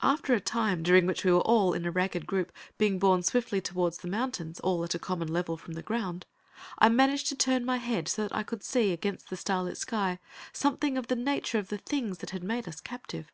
After a time, during which we were all, in a ragged group, being borne swiftly towards the mountains, all at a common level from the ground, I managed to turn my head so that I could see, against the star lit sky, something of the nature of the things that had made us captive.